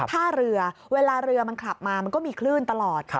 ท่าเรือเวลาเรือมันขับมามันก็มีคลื่นตลอด